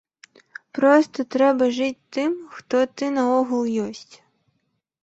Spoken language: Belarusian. Проста трэба жыць тым, хто ты наогул ёсць.